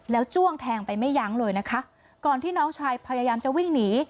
แล้วจ้วงแทงไปไม่ยั้งเลยนะคะก่อนที่น้องชายพยายามจะวิ่งหนี